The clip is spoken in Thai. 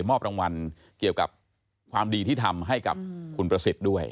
มอบรางวัลเกี่ยวกับความดีที่ทำให้กับคุณประสิทธิ์ด้วย